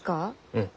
うん。